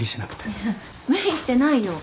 いや無理してないよ。